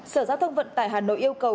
sở giao thông vận tải hà nội yêu cầu